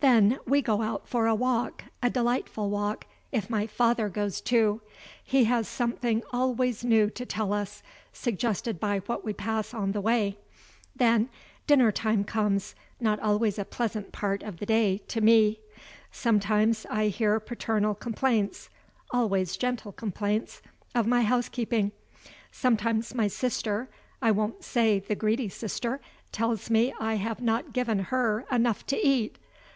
Then we go out for a walk a delightful walk, if my father goes too. He has something always new to tell us, suggested by what we pass on the way. Then, dinner time comes not always a pleasant part of the day to me. Sometimes I hear paternal complaints (always gentle complaints) of my housekeeping; sometimes my sister (I won't say the greedy sister) tells me I have not given her enough to eat.